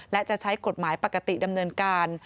และจะใช้กฎหมายปกติดำเนินการ